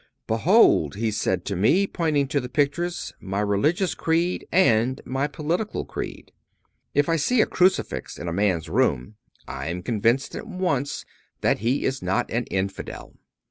"Behold!" he said to me, pointing to the pictures, "my religious creed and my political creed." If I see a crucifix in a man's room I am convinced at once that he is not an infidel.